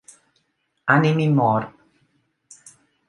Animi Morb.